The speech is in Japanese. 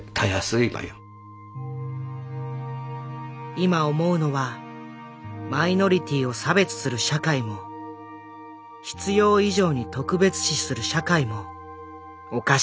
今思うのはマイノリティーを差別する社会も必要以上に特別視する社会もおかしいという事。